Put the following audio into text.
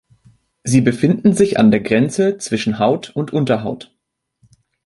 Sie befinden sich an der Grenze zwischen Haut und Unterhaut.